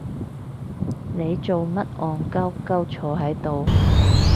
你做乜戇居居坐係度？